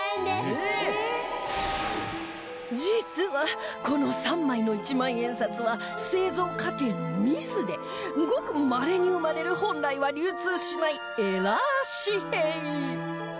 実はこの３枚の一万円札は製造過程のミスでごくまれに生まれる本来は流通しないエラー紙幣